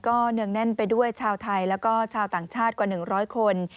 เนืองแน่นไปด้วยชาวไทยแล้วก็ชาวต่างชาติกว่า๑๐๐คน